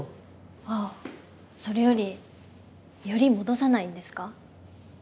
あっそれより寄り戻さないんですか？